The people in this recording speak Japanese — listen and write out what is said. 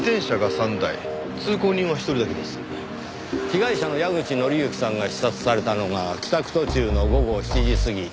被害者の矢口紀之さんが刺殺されたのが帰宅途中の午後７時過ぎ。